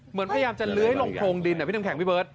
เหมือนพยายามจะเล้ยลงโพงดินพี่น้ำแข็งพี่เบิร์ต